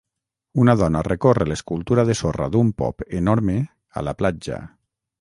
Una dona recorre l'escultura de sorra d'un pop enorme a la platja.